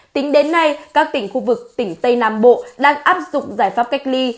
tính đến nay các tỉnh khu vực tỉnh tây nam bộ đang áp dụng giải pháp cách ly